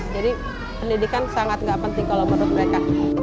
jadi pendidikan sangat nggak penting kalau menurut mereka